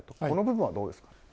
この部分はどうでしょうか。